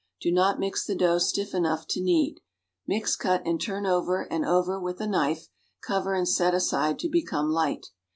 Do not mix the dough stiff' enough to knead. Mix, cut and turn over and over with a knife; cover and set aside to become light.